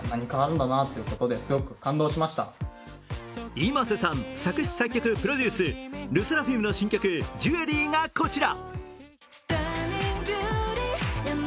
ｉｍａｓｅさん、作詞・作曲・プロデュース、ＬＥＳＳＥＲＡＦＩＭの新曲「ジュエリー」がこちら。